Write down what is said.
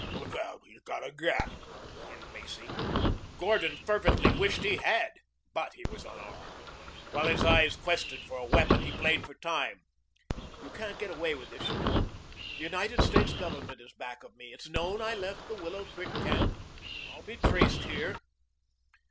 "Look out! He's got a gat," warned Macy. Gordon fervently wished he had. But he was unarmed. While his eyes quested for a weapon he played for time. "You can't get away with this, you know. The United States Government is back of me. It's known I left the Willow Creek Camp. I'll be traced here."